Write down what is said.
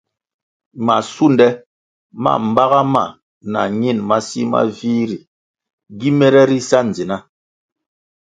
Masunde ma baga ma na ñin masi ma vih ri gi mere ri sa ndzina.